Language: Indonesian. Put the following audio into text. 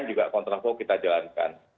dan juga kontraplo kita jalankan